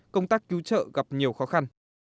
công tác cứu trợ gặp nhiều khó khăn